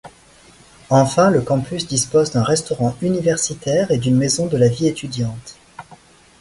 Enfin le campus dispose d'un restaurant universitaire et d'une maison de la vie étudiante.